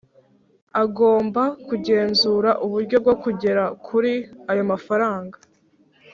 Agomba kugenzura uburyo bwo kugera kuri ayo mafaranga